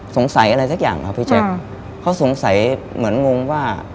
สงสัยอะไรสักอย่างครับพี่แจ๊คเขาสงสัยเหมือนงงว่า